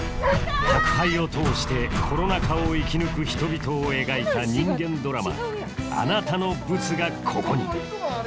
宅配を通してコロナ禍を生き抜く人々を描いた人間ドラマ「あなたのブツが、ここに」